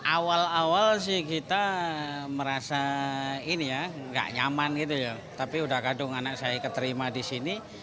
awal awal sih kita merasa ini ya nggak nyaman gitu ya tapi udah kadung anak saya keterima di sini